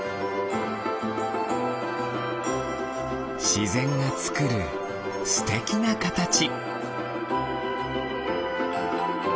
しぜんがつくるすてきなカタチ。